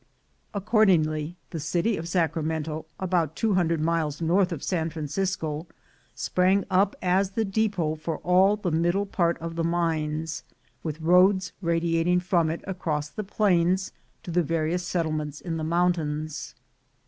Accordingly, the city of Sacramento — about two hundred miles north of San Francisco — sprang up as the depot for all the middle part of the mines, with roads radiating from it across the plains to the various settlements in the mountains.